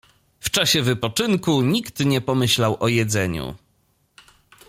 W czasie wypoczynku nikt nie pomyślał o jedzeniu.